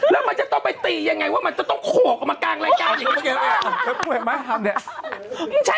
แล้วมันจะต้องไปตียังไงว่ามันจะต้องโขกออกมากลางรายการอย่างนี้